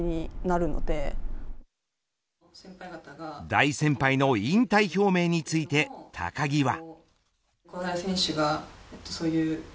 大先輩の引退表明について高木は。